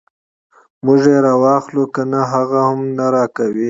موږ یې راواخلو کنه هغه هم نه راکوي.